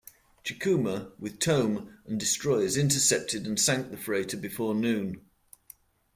"Chikuma", with "Tone", and destroyers and intercepted and sank the freighter before noon.